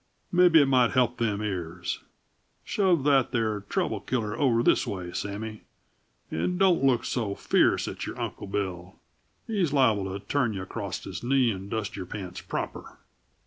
Mebby it might help them ears! Shove that there trouble killer over this way, Sammy, and don't look so fierce at your uncle Bill; he's liable to turn you across his knee and dust your pants proper."